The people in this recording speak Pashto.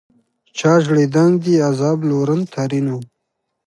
چا ژړېدنک دي عذاب لورن؛ ترينو